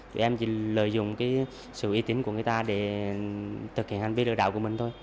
tụi em chỉ lợi dụng sự y tín của người ta để thực hiện hành vi lợi đạo của mình thôi